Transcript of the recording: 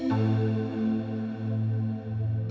sampai jumpa lagi mams